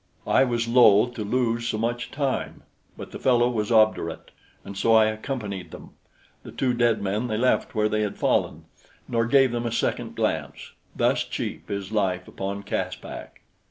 I was loath to lose so much time; but the fellow was obdurate, and so I accompanied them. The two dead men they left where they had fallen, nor gave them a second glance thus cheap is life upon Caspak.